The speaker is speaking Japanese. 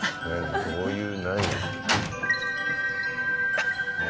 どういう何？